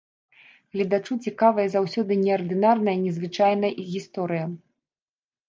Гледачу цікавая заўсёды неардынарная, незвычайная гісторыя.